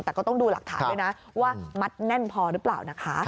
แต่ก็ต้องดูหลักฐานด้วยนะว่ามัดแน่นพอหรือเปล่านะคะ